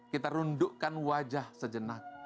kita rundukkan wajah sejenak